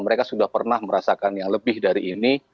mereka sudah pernah merasakan yang lebih dari ini